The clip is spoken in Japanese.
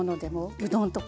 うどんとか。